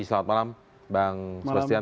selamat malam bang sebastian